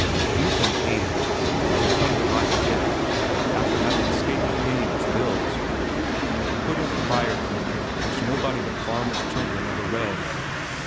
Youth and Age, which had come to life again after having escaped paying its bills, put in a prior claim, which nobody but farmers' children ever read.